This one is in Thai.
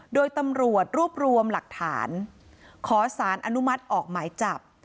โดยตำรวจรวบรวมหลักฐานขอสารอนุมัติออกหมายจับ